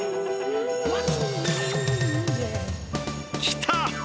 来た！